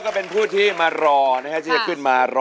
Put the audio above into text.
กว่าจะจบรายการเนี่ย๔ทุ่มมาก